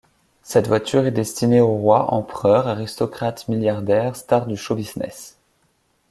Cette voiture est destinée aux rois, empereurs, aristocrates, milliardaires, stars du show-business.